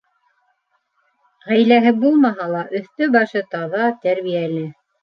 Ғаиләһе булмаһа ла өҫтө-башы таҙа, тәрбиәле.